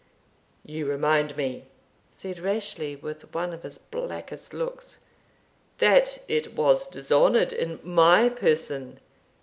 "You remind me," said Rashleigh, with one of his blackest looks, "that it was dishonoured in my person!